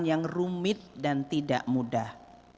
yang rumit dan tidak mudah